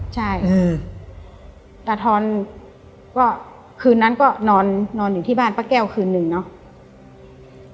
ใช่ตาทอนก็คืนนั้นก็นอนอยู่ที่บ้านป้าแก้วคืนหนึ่งเนาะ